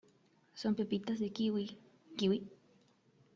son pepitas de kiwi. ¿ kiwi?